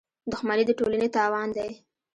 • دښمني د ټولنې تاوان دی.